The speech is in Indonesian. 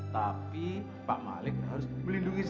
tapi pak malik harus melindungi saya